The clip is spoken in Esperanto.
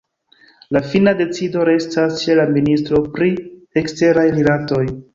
La fina decido restas ĉe la ministro pri eksteraj rilatoj.